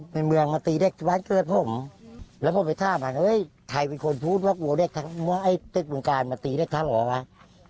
เพื่อนผมแล้วผมไปท่ามันเฮ้ยใครเป็นคนพูดว่าโวเด็กทั้งมันว่าไอ้เต็กวงการมาตีเด็กทั้งหรอวะ